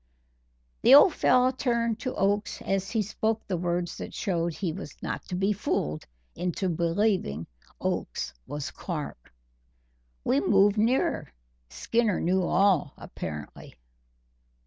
The old fellow turned to Oakes as he spoke the words that showed he was not to be fooled into believing Oakes was Clark. We moved nearer. Skinner knew all, apparently.